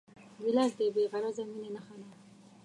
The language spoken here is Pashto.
ګیلاس د بېغرضه مینې نښه ده.